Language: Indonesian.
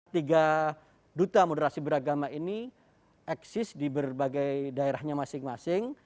tiga duta moderasi beragama ini eksis di berbagai daerahnya masing masing